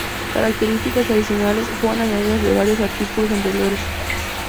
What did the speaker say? Características adicionales fueron añadidas de varios artículos anteriores.